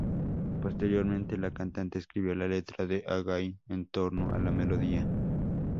Posteriormente, la cantante escribió la letra de "Again" en torno a la melodía.